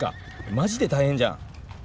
マジで大変じゃん。